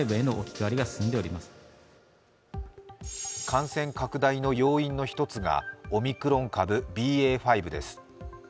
感染拡大の要因の１つがオミクロン株ＢＡ．５です。